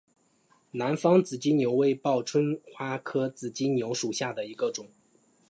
南方紫金牛为报春花科紫金牛属下的一个种。